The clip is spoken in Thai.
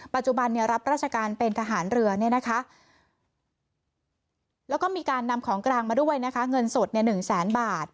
ปัจจุบันรับราชการเป็นทหารเรือแล้วก็มีการนำของกลางมาด้วยนะคะเงินสด๑แสนบาท